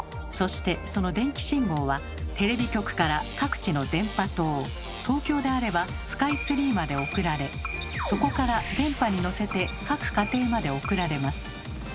そしてその電気信号はテレビ局から各地の電波塔東京であればスカイツリーまで送られそこから電波に乗せて各家庭まで送られます。